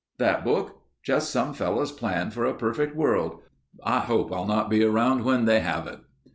That book? Just some fellow's plan for a perfect world. I hope I'll not be around when they have it.